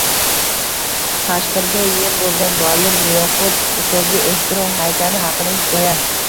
Qashqirga yem bo‘lgan muallim yoxud “Ustozga ehtirom” haykali haqida hikoya